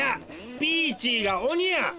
ピーチーがおにや！